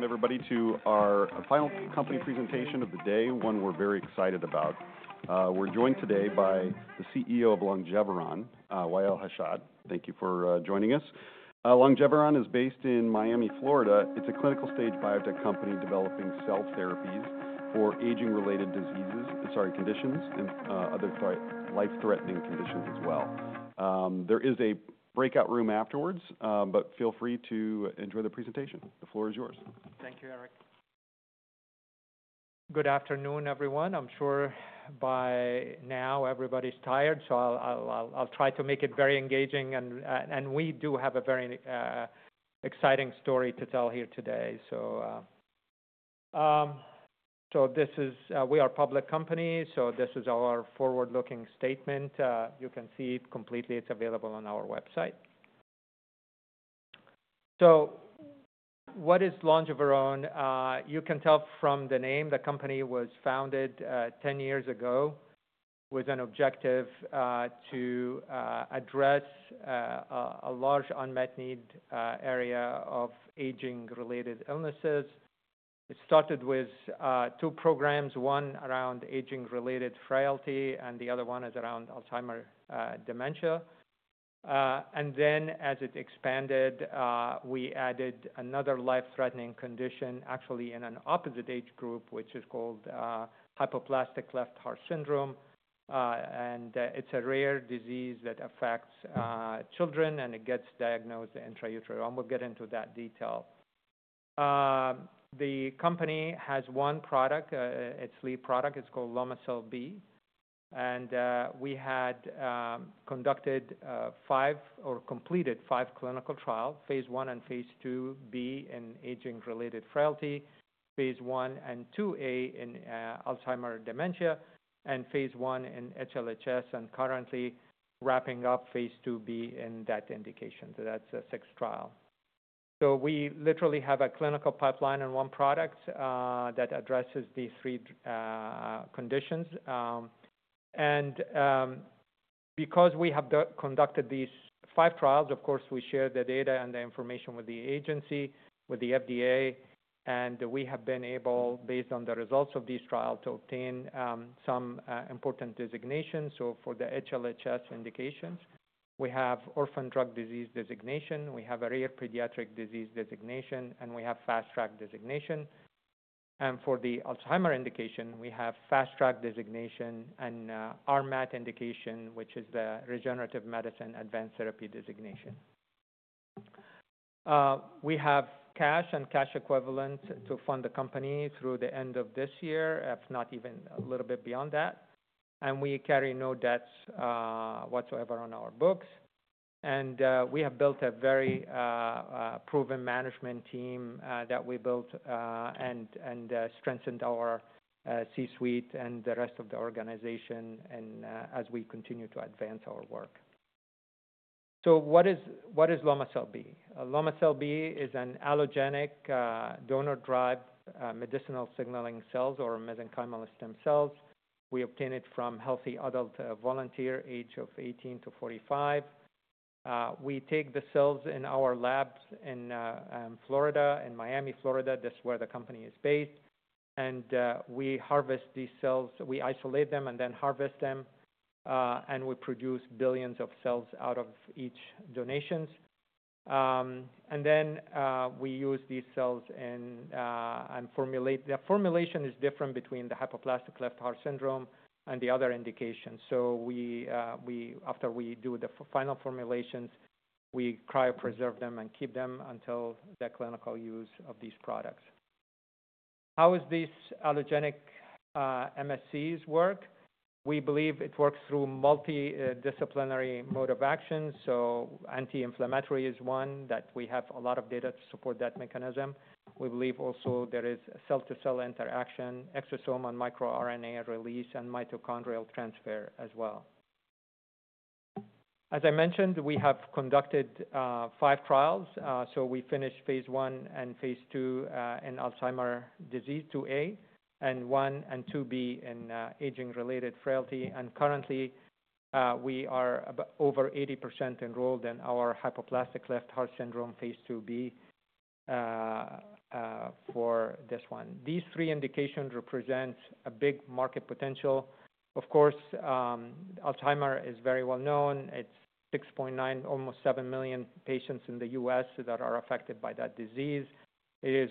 Welcome, everybody, to our final company presentation of the day, one we're very excited about. We're joined today by the CEO of Longeveron, Wa'el Hashad. Thank you for joining us. Longeveron is based in Miami, Florida. It's a clinical stage biotech company developing cell therapies for aging-related diseases, sorry, conditions and other, sorry, life-threatening conditions as well. There is a breakout room afterwards, but feel free to enjoy the presentation. The floor is yours. Thank you, Eric. Good afternoon, everyone. I'm sure by now everybody's tired, so I'll try to make it very engaging, and we do have a very exciting story to tell here today. So this is. We are a public company, so this is our forward-looking statement. You can see it completely. It's available on our website, so what is Longeveron? You can tell from the name the company was founded 10 years ago with an objective to address a large unmet need area of aging-related illnesses. It started with two programs, one around aging-related frailty, and the other one is around Alzheimer's dementia, and then, as it expanded, we added another life-threatening condition, actually in an opposite age group, which is called hypoplastic left heart syndrome, and it's a rare disease that affects children, and it gets diagnosed intrauterine. We'll get into that detail. The company has one product, its lead product. It's called Lomecel-B, and we had conducted five or completed five clinical trials, phase I and phase II-B in aging-related frailty, phase I and phase II-A in Alzheimer's dementia, and phase I in HLHS, and currently wrapping up phase II-B in that indication, so that's the sixth trial, so we literally have a clinical pipeline and one product that addresses these three conditions, and because we have conducted these five trials, of course, we share the data and the information with the agency, with the FDA, and we have been able, based on the results of these trials, to obtain some important designations, so for the HLHS indications, we have orphan drug designation, we have a rare pediatric disease designation, and we have fast-track designation, and for the Alzheimer's indication, we have fast-track designation and RMAT designation, which is the Regenerative Medicine Advanced Therapy designation. We have cash and cash equivalents to fund the company through the end of this year, if not even a little bit beyond that. And we carry no debts whatsoever on our books. And we have built a very proven management team that we built and strengthened our C-suite and the rest of the organization as we continue to advance our work. So what is Lomecel-B? Lomecel-B is an allogeneic donor-derived medicinal signaling cells or mesenchymal stem cells. We obtain it from healthy adult volunteers aged 18 to 45. We take the cells in our labs in Florida, in Miami, Florida. That's where the company is based. And we harvest these cells. We isolate them and then harvest them, and we produce billions of cells out of each donation. And then we use these cells and formulate. The formulation is different between the hypoplastic left heart syndrome and the other indication. So after we do the final formulations, we cryopreserve them and keep them until the clinical use of these products. How does this allogeneic MSCs work? We believe it works through multifaceted mode of action. So anti-inflammatory is one that we have a lot of data to support that mechanism. We believe also there is cell-to-cell interaction, exosome and microRNA release, and mitochondrial transfer as well. As I mentioned, we have conducted five trials. So we finished phase I and phase II in Alzheimer's disease phase II-A and phase I and phase II-B in aging-related frailty. And currently, we are over 80% enrolled in our hypoplastic left heart syndrome phase II-B for this one. These three indications represent a big market potential. Of course, Alzheimer's is very well known. It's 6.9, almost 7 million patients in the U.S. that are affected by that disease. It is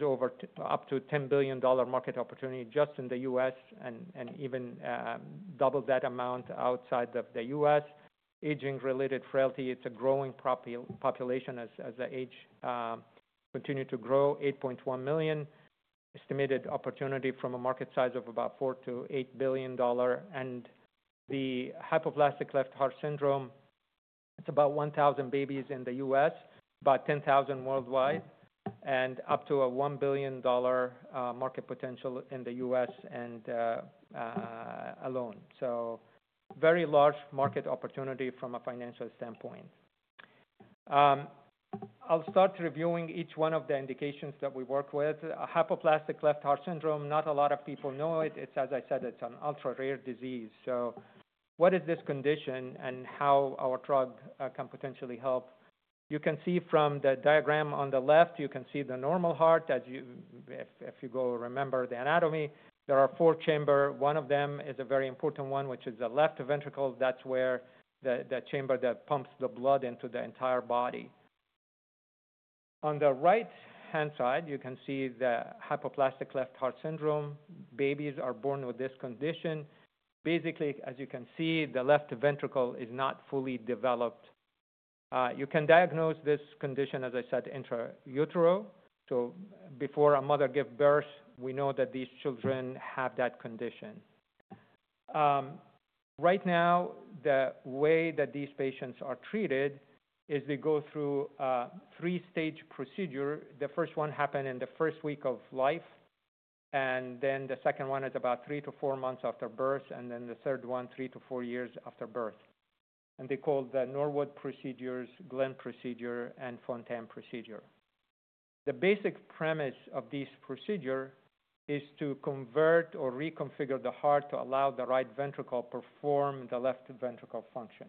up to a $10 billion market opportunity just in the U.S. and even double that amount outside of the U.S. Aging-related frailty, it's a growing population as the age continues to grow, 8.1 million. Estimated opportunity from a market size of about $4 billion-$8 billion, and the hypoplastic left heart syndrome, it's about 1,000 babies in the U.S., about 10,000 worldwide, and up to a $1 billion market potential in the U.S. alone, so very large market opportunity from a financial standpoint. I'll start reviewing each one of the indications that we work with. Hypoplastic left heart syndrome, not a lot of people know it. It's, as I said, it's an ultra-rare disease, so what is this condition and how our drug can potentially help? You can see from the diagram on the left, you can see the normal heart. If you go remember the anatomy, there are four chambers. One of them is a very important one, which is the left ventricle. That's where the chamber that pumps the blood into the entire body. On the right-hand side, you can see the Hypoplastic Left Heart Syndrome. Babies are born with this condition. Basically, as you can see, the left ventricle is not fully developed. You can diagnose this condition, as I said, intrauterine. So before a mother gives birth, we know that these children have that condition. Right now, the way that these patients are treated is they go through a three-stage procedure. The first one happens in the first week of life, and then the second one is about three to four months after birth, and then the third one, three to four years after birth, and they call the Norwood procedures, Glenn procedure, and Fontan procedure. The basic premise of these procedures is to convert or reconfigure the heart to allow the right ventricle to perform the left ventricle function.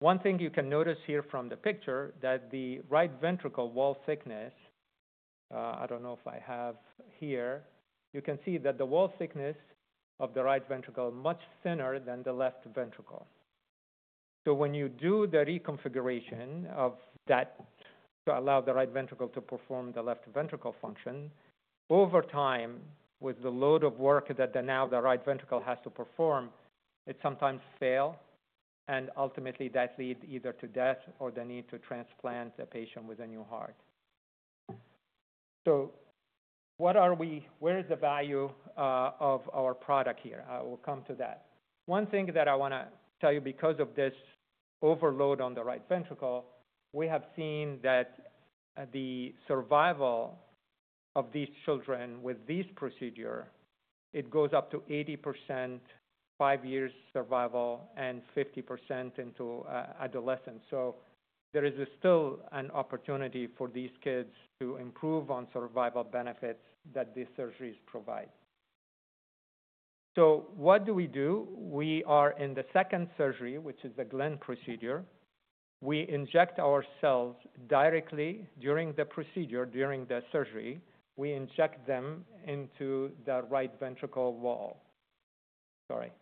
One thing you can notice here from the picture is that the right ventricle wall thickness, I don't know if I have here, you can see that the wall thickness of the right ventricle is much thinner than the left ventricle. So when you do the reconfiguration of that to allow the right ventricle to perform the left ventricle function, over time, with the load of work that now the right ventricle has to perform, it sometimes fails. And ultimately, that leads either to death or the need to transplant the patient with a new heart. So where is the value of our product here? I will come to that. One thing that I want to tell you, because of this overload on the right ventricle, we have seen that the survival of these children with this procedure goes up to 80% five years survival and 50% into adolescence. So there is still an opportunity for these kids to improve on survival benefits that these surgeries provide. So what do we do? We are in the second surgery, which is the Glenn procedure. We inject our cells directly during the procedure, during the surgery. We inject them into the right ventricle wall. Sorry.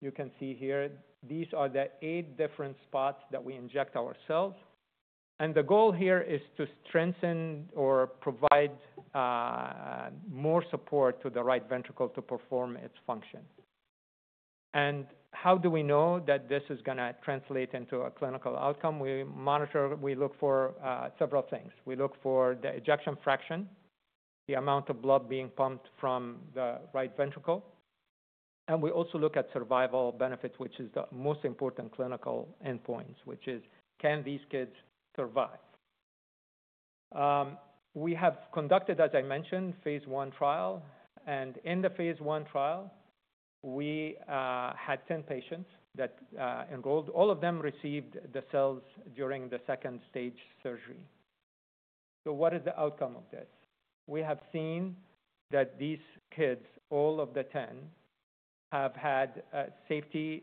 You can see here, these are the eight different spots that we inject our cells. The goal here is to strengthen or provide more support to the right ventricle to perform its function. How do we know that this is going to translate into a clinical outcome? We look for several things. We look for the ejection fraction, the amount of blood being pumped from the right ventricle. We also look at survival benefits, which is the most important clinical endpoint, which is, can these kids survive? We have conducted, as I mentioned, a phase I trial. In the phase I trial, we had 10 patients that enrolled. All of them received the cells during the second-stage surgery. What is the outcome of this? We have seen that these kids, all of the 10, have had safety.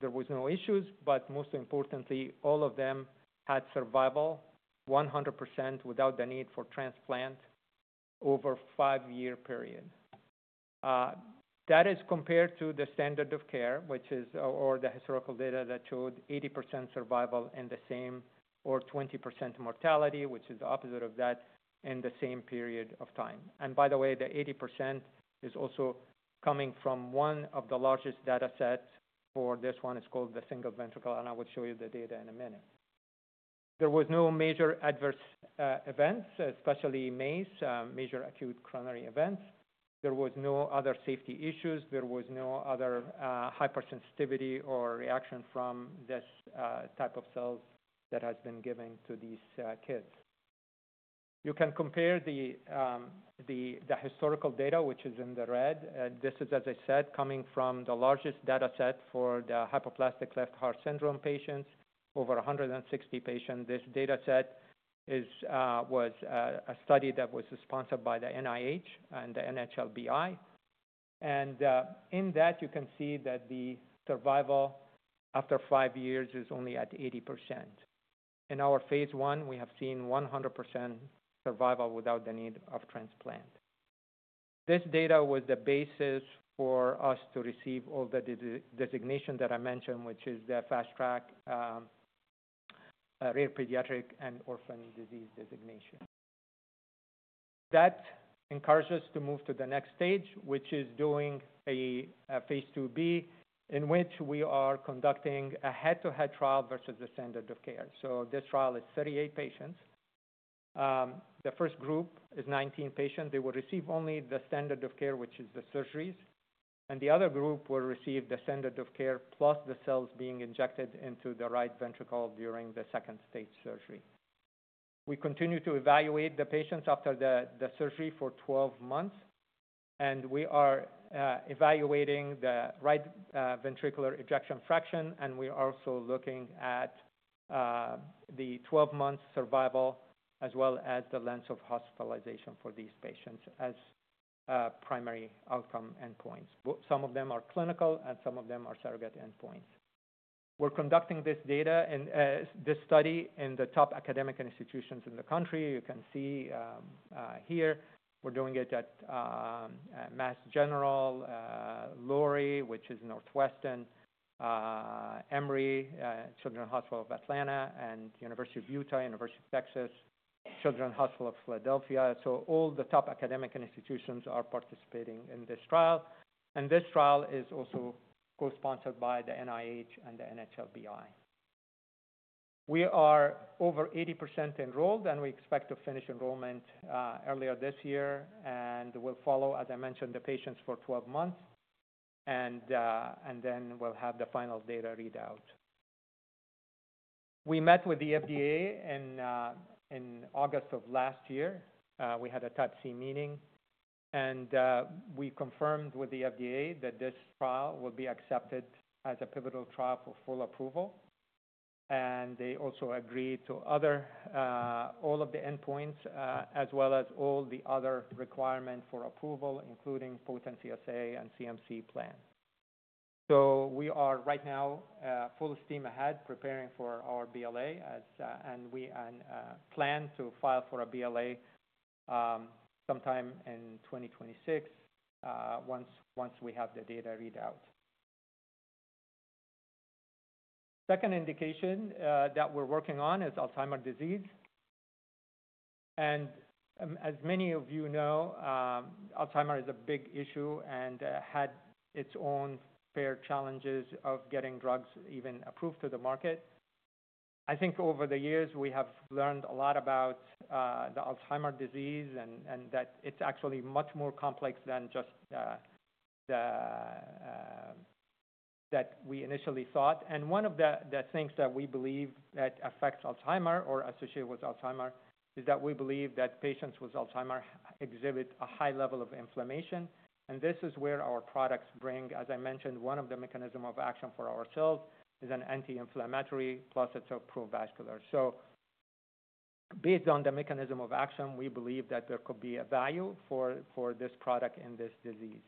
There were no issues, but most importantly, all of them had survival 100% without the need for transplant over a five-year period. That is compared to the standard of care, which is, or the historical data that showed 80% survival in the same or 20% mortality, which is the opposite of that in the same period of time, and by the way, the 80% is also coming from one of the largest data sets for this one. It's called the Single Ventricle, and I will show you the data in a minute. There were no major adverse events, especially MACE, major adverse cardiovascular events. There were no other safety issues. There were no other hypersensitivity or reaction from this type of cells that has been given to these kids. You can compare the historical data, which is in the red. This is, as I said, coming from the largest data set for the hypoplastic left heart syndrome patients, over 160 patients. This data set was a study that was sponsored by the NIH and the NHLBI. And in that, you can see that the survival after five years is only at 80%. In our phase I, we have seen 100% survival without the need of transplant. This data was the basis for us to receive all the designations that I mentioned, which is the fast-track rare pediatric and orphan disease designation. That encourages us to move to the next stage, which is doing a phase II-B, in which we are conducting a head-to-head trial versus the standard of care. So this trial is 38 patients. The first group is 19 patients. They will receive only the standard of care, which is the surgeries. And the other group will receive the standard of care plus the cells being injected into the right ventricle during the second-stage surgery. We continue to evaluate the patients after the surgery for 12 months. And we are evaluating the right ventricular ejection fraction, and we are also looking at the 12-month survival as well as the length of hospitalization for these patients as primary outcome endpoints. Some of them are clinical, and some of them are surrogate endpoints. We're conducting this study in the top academic institutions in the country. You can see here, we're doing it at Mass General, Lurie, which is Northwestern, Emory Children's Hospital of Atlanta, and University of Utah, University of Texas, Children's Hospital of Philadelphia. So all the top academic institutions are participating in this trial. And this trial is also co-sponsored by the NIH and the NHLBI. We are over 80% enrolled, and we expect to finish enrollment earlier this year. We'll follow, as I mentioned, the patients for 12 months, and then we'll have the final data readout. We met with the FDA in August of last year. We had a Type C meeting, and we confirmed with the FDA that this trial will be accepted as a pivotal trial for full approval. They also agreed to all of the endpoints as well as all the other requirements for approval, including potency assay and CMC plan. We are right now full steam ahead preparing for our BLA, and we plan to file for a BLA sometime in 2026 once we have the data readout. Second indication that we're working on is Alzheimer's disease. As many of you know, Alzheimer's is a big issue and had its own fair challenges of getting drugs even approved to the market. I think over the years, we have learned a lot about Alzheimer's disease and that it's actually much more complex than just that we initially thought, and one of the things that we believe that affects Alzheimer's or associated with Alzheimer's is that we believe that patients with Alzheimer's exhibit a high level of inflammation, and this is where our products bring, as I mentioned, one of the mechanisms of action for our cells is an anti-inflammatory plus it's a pro-vascular, so based on the mechanism of action, we believe that there could be a value for this product in this disease.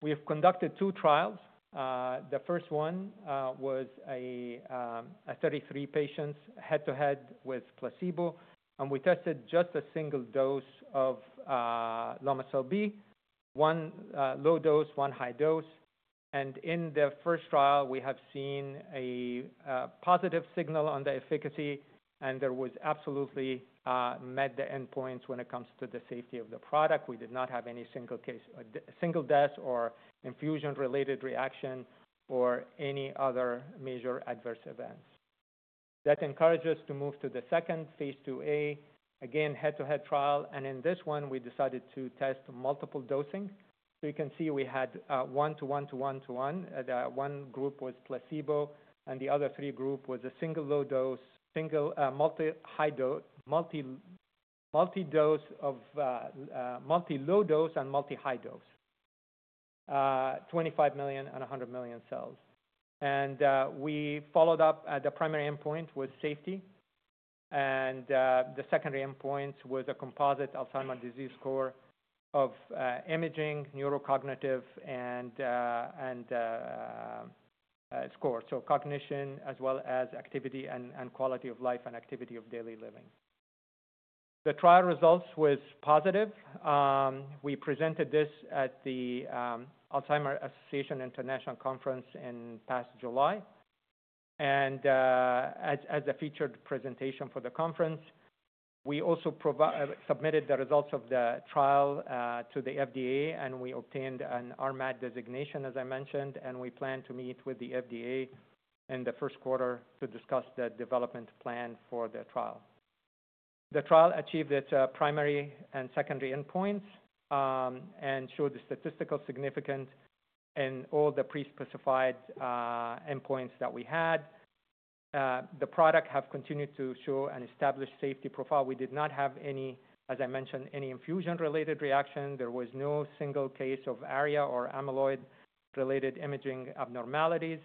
We have conducted two trials. The first one was a 33 patients head-to-head with placebo, and we tested just a single dose of Lomecel-B, one low dose, one high dose. And in the first trial, we have seen a positive signal on the efficacy, and there was absolutely met the endpoints when it comes to the safety of the product. We did not have any single death or infusion-related reaction or any other major adverse events. That encourages us to move to the second phase II-A, again, head-to-head trial. And in this one, we decided to test multiple dosing. So you can see we had one to one to one to one. One group was placebo, and the other three groups were a single low dose, multi-dose of multi-low dose and multi-high dose, 25 million and 100 million cells. And we followed up at the primary endpoint with safety, and the secondary endpoint was a composite Alzheimer's disease score of imaging, neurocognitive, and score. So cognition as well as activity and quality of life and activity of daily living. The trial results were positive. We presented this at the Alzheimer's Association International Conference in last July, and as a featured presentation for the conference, we also submitted the results of the trial to the FDA, and we obtained an RMAT designation, as I mentioned, and we plan to meet with the FDA in the 1st quarter to discuss the development plan for the trial. The trial achieved its primary and secondary endpoints and showed the statistical significance in all the pre-specified endpoints that we had. The product has continued to show an established safety profile. We did not have any, as I mentioned, any infusion-related reaction. There was no single case of ARIA or amyloid-related imaging abnormalities.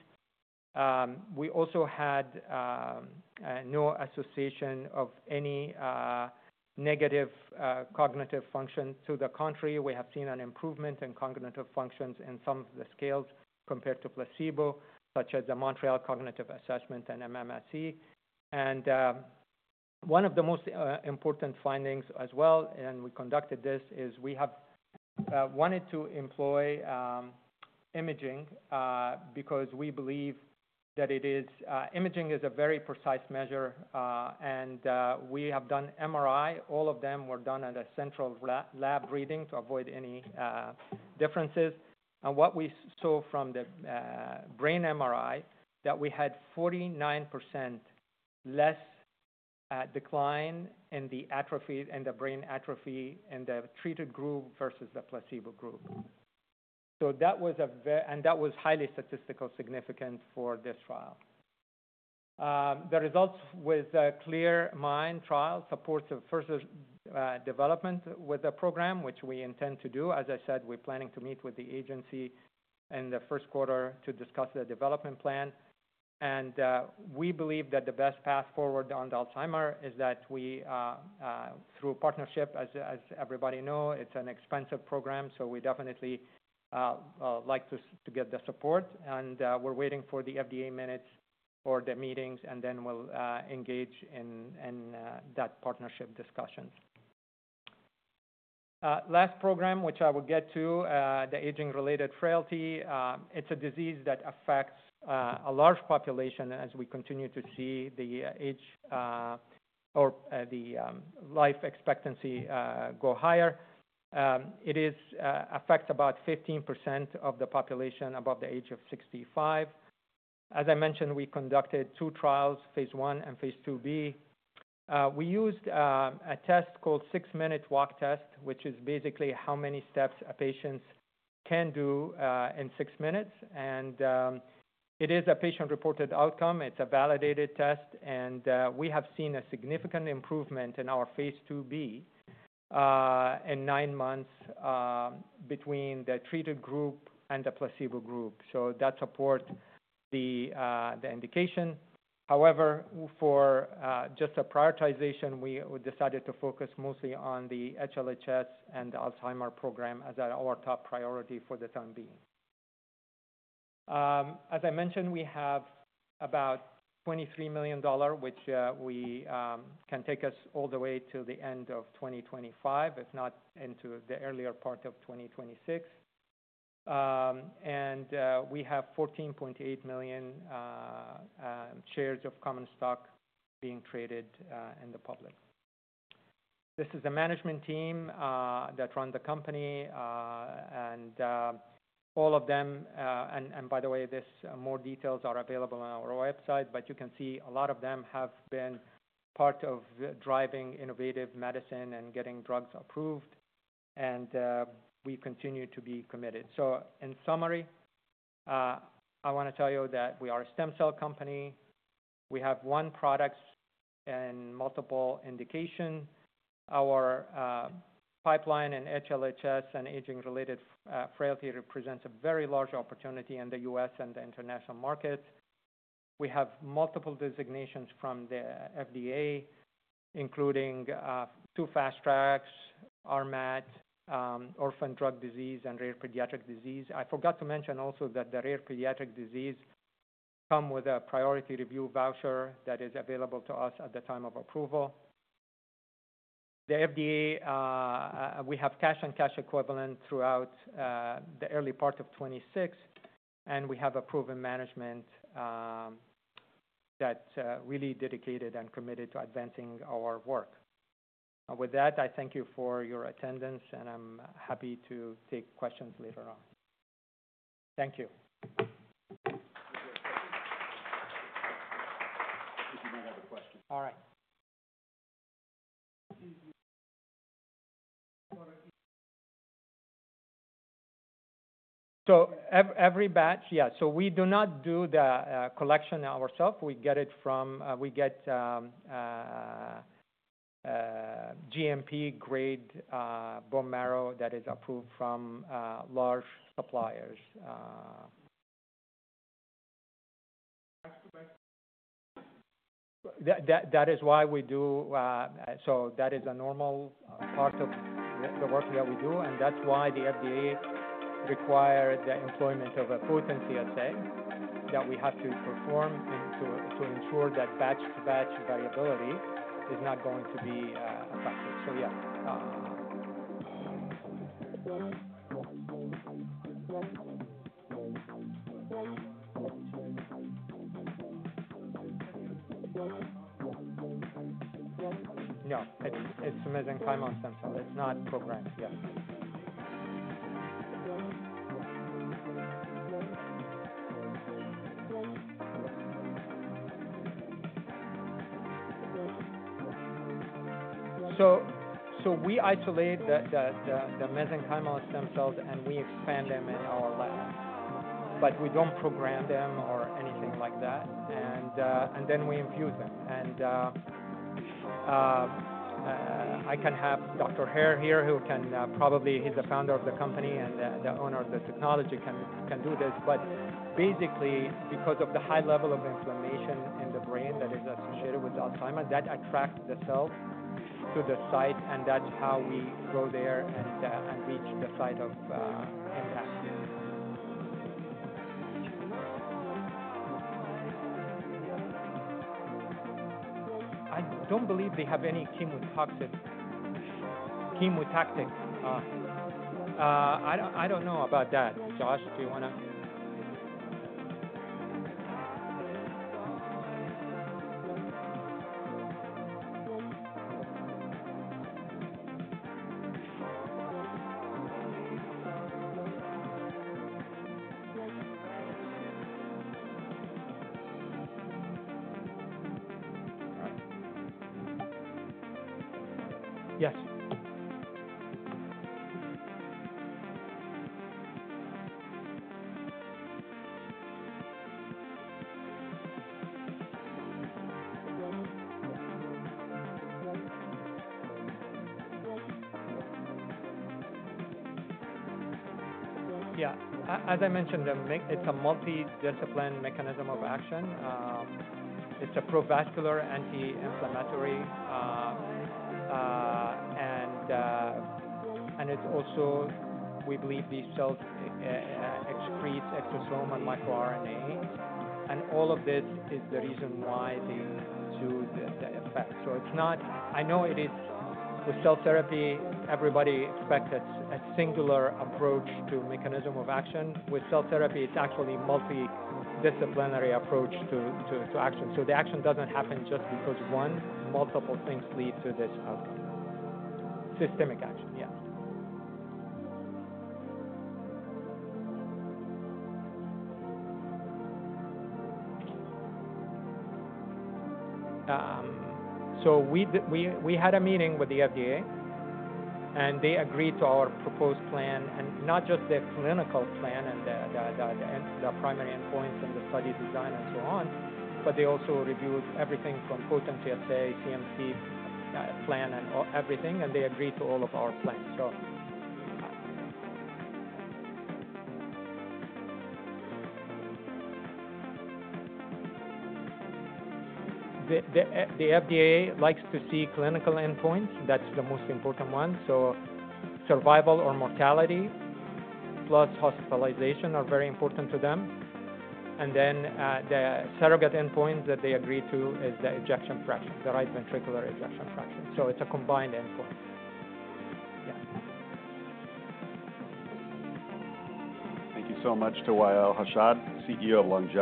We also had no association of any negative cognitive function. To the contrary, we have seen an improvement in cognitive functions in some of the scales compared to placebo, such as the Montreal Cognitive Assessment and MMSE. One of the most important findings as well, and we conducted this, is we have wanted to employ imaging because we believe that imaging is a very precise measure. We have done MRI. All of them were done at a central lab reading to avoid any differences. What we saw from the brain MRI was that we had 49% less decline in the brain atrophy in the treated group versus the placebo group. That was a very, and that was highly statistical significant for this trial. The results with the CLEAR MIND trial support the further development with the program, which we intend to do. As I said, we're planning to meet with the agency in the 1st quarter to discuss the development plan. And we believe that the best path forward on Alzheimer's is that we, through partnership, as everybody knows, it's an expensive program. So we definitely like to get the support. And we're waiting for the FDA minutes for the meetings, and then we'll engage in that partnership discussions. Last program, which I will get to, the aging-related frailty. It's a disease that affects a large population as we continue to see the age or the life expectancy go higher. It affects about 15% of the population above the age of 65. As I mentioned, we conducted two trials, phase I and phase II-B. We used a test called Six-Minute Walk Test, which is basically how many steps a patient can do in six minutes. And it is a patient-reported outcome. It's a validated test. And we have seen a significant improvement in our Phase II-B in nine months between the treated group and the placebo group. So that supports the indication. However, for just a prioritization, we decided to focus mostly on the HLHS and the Alzheimer's program as our top priority for the time being. As I mentioned, we have about $23 million, which can take us all the way to the end of 2025, if not into the earlier part of 2026. And we have 14.8 million shares of common stock being traded in the public. This is a management team that runs the company. And all of them, and by the way, more details are available on our website, but you can see a lot of them have been part of driving innovative medicine and getting drugs approved. And we continue to be committed. So in summary, I want to tell you that we are a stem cell company. We have one product and multiple indications. Our pipeline in HLHS and aging-related frailty represents a very large opportunity in the U.S. and the international markets. We have multiple designations from the FDA, including two fast-tracks: RMAT, orphan drug designation, and rare pediatric disease. I forgot to mention also that the rare pediatric disease comes with a priority review voucher that is available to us at the time of approval. The FDA, we have cash and cash equivalent throughout the early part of 2026, and we have a proven management that's really dedicated and committed to advancing our work. With that, I thank you for your attendance, and I'm happy to take questions later on. Thank you. If you might have a question. All right. So every batch, yeah. So we do not do the collection ourselves. We get GMP-grade bone marrow that is approved from large suppliers. So that is a normal part of the work that we do. And that's why the FDA required the employment of a potency assay that we have to perform to ensure that batch-to-batch variability is not going to be affected. So yeah. No. It's mesenchymal stem cell. It's not programmed. Yeah. So we isolate the mesenchymal stem cells, and we expand them in our lab. But we don't program them or anything like that. And then we infuse them. And I can have Dr. Hare here, who can probably, he's the founder of the company and the owner of the technology, can do this. But basically, because of the high level of inflammation in the brain that is associated with Alzheimer's, that attracts the cells to the site, and that's how we go there and reach the site of impact. I don't believe they have any chemotaxis. I don't know about that. Josh, do you want to? Yes. Yeah. As I mentioned, it's a multidisciplinary mechanism of action. It's a pro-vascular anti-inflammatory. And it's also, we believe these cells excrete exosome and microRNA. And all of this is the reason why they do the effect. So it's not, I know it is with cell therapy, everybody expects a singular approach to mechanism of action. With cell therapy, it's actually a multidisciplinary approach to action. So the action doesn't happen just because one, multiple things lead to this outcome. Systemic action, yeah. So we had a meeting with the FDA, and they agreed to our proposed plan. Not just the clinical plan and the primary endpoints and the study design and so on, but they also reviewed everything from potency assay, CMC plan, and everything. They agreed to all of our plans. The FDA likes to see clinical endpoints. That's the most important one. Survival or mortality plus hospitalization are very important to them. Then the surrogate endpoint that they agreed to is the ejection fraction, the right ventricular ejection fraction. It's a combined endpoint. Yeah. Thank you so much to Wa'el Hashad, CEO of Longeveron.